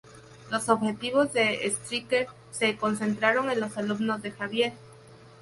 Los objetivos de Stryker se concentraron en los alumnos de Xavier.